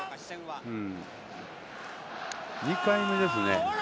２回目ですね。